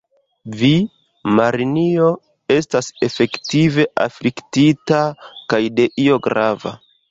Vi, Marinjo, estas efektive afliktita kaj de io grava.